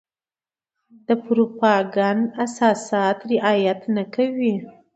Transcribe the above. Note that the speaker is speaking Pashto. د پروپاګنډ اساسات رعايت نه کوي.